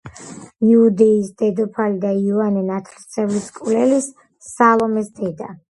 იუდეის დედოფალი და იოანე ნათლისმცემლის მკვლელის, სალომეს დედა.